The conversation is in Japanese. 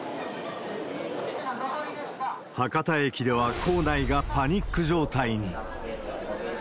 博多駅では構内がパニック状態に。